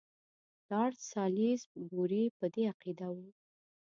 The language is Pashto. لارډ سالیزبوري په دې عقیده وو.